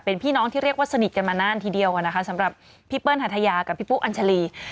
เป็นพี่น้องที่เรียกว่าสนิทกันมานานทีเดียวนะคะสำหรับพี่เปิ้ลหัทยากับพี่ปุ๊อัญชาลี